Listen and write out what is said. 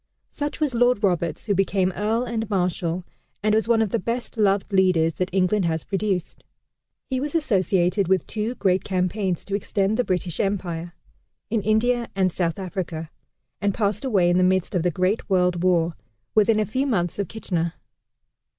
Such was Lord Roberts who became Earl and Marshal, and was one of the best loved leaders that England has produced. He was associated with two great campaigns to extend the British Empire in India and South Africa and passed away in the midst of the great World War, within a few months of Kitchener.